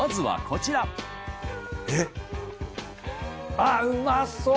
あっうまそう！